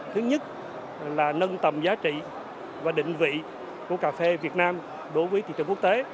thứ nhất là nâng tầm giá trị và định vị của cà phê việt nam đối với thị trường quốc tế